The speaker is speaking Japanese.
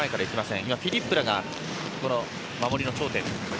フィルップラが守りの頂点。